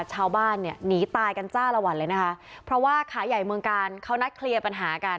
ชาวบ้านเนี่ยหนีตายกันจ้าละวันเลยนะคะเพราะว่าขาใหญ่เมืองกาลเขานัดเคลียร์ปัญหากัน